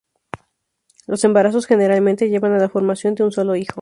Los embarazos generalmente llevan a la formación de un solo hijo.